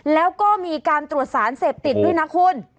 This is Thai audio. แล้วก็มีการตรวจสารเสพติดด้วยนะคุณ